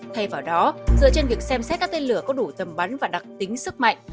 thay vào đó dựa trên việc xem xét các tên lửa có đủ tầm bắn và đặc tính sức mạnh